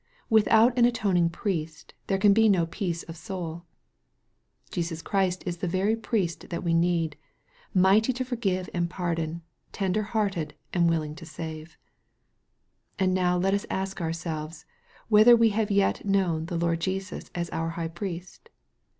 Without an atoning Priest there can be no peace of soul. Jesus Christ is the very Priest that we need, mighty to forgive and pardon, ten der hearted and willing to save. And now let us ask ourselves whether we have yet known the Lord Jesus as our High Priest